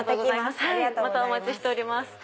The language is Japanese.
またお待ちしてます。